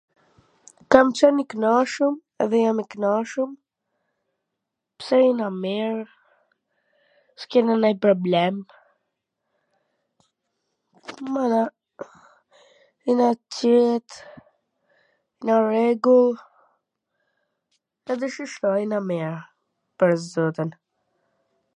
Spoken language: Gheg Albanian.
Kam qen i knaqun edhe jam i knaqun pse jena mir, s kena nonj problem, mana, jena t qet, nw rregull, edhe shishto, jena mir, pwr zotin.